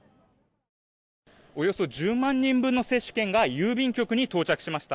およそ１０万人分の接種券が郵便局に到着しました。